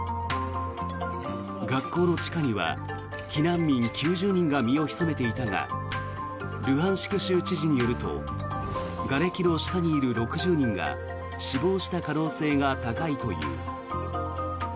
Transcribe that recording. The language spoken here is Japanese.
学校の地下には避難民９０人が身を潜めていたがルハンシク州知事によるとがれきの下にいる６０人が死亡した可能性が高いという。